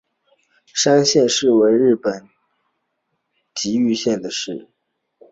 山县市为日本岐阜县的市。